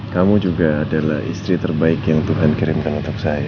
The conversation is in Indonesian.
kamu juga adalah istri terbaik yang tuhan kirimkan untuk saya